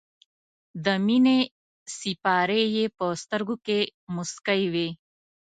د مینې سېپارې یې په سترګو کې موسکۍ وې.